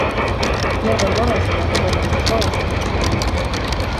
Need on varasemaga võrreldes vaesemaks jäänud.